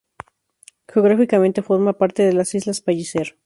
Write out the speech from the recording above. Geográficamente forma parte de las islas Palliser.